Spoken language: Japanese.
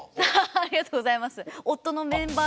ありがとうございます。